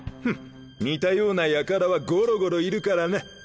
ふん似たようなやからはゴロゴロいるからな。